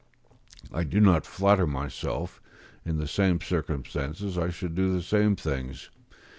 I do not flatter myself; in the same circumstances I should do the same things.